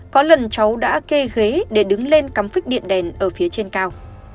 có lần cháu đã kê ghế để đứng lên cắm phích điện đèn ở phía trên cao